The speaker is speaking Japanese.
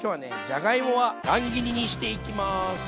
じゃがいもは乱切りにしていきます。